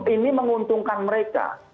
ini menguntungkan mereka